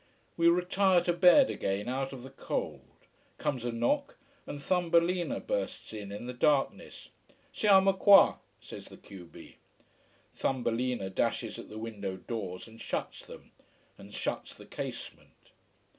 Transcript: We retire to bed again out of the cold. Comes a knock, and Thumbelina bursts in, in the darkness. "Siamo qua!" says the q b. Thumbelina dashes at the window doors and shuts them and shuts the casement.